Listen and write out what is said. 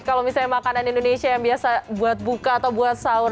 kalau misalnya makanan indonesia yang biasa buat buka atau buat sahur